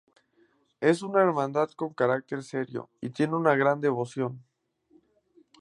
Es una hermandad con carácter serio y tiene una gran devoción.